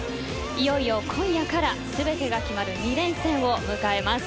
いよいよ今夜から全てが決まる２連戦を迎えます。